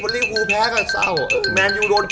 ทีมไหนก็โอเค